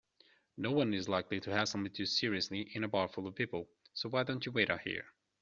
Noone is likely to hassle me too seriously in a bar full of people, so why don't you wait out here?